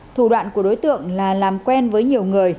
thủ đoạn của đối tượng là làm quen với nhiều người